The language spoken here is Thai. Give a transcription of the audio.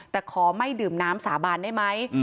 แต่ขอไม่ดื่มน้ำสาบานได้ไหม